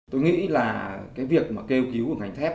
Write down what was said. tôi nghĩ là cái việc mà kêu cứu của ngành thép